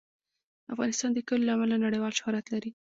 افغانستان د کلیو له امله نړیوال شهرت لري.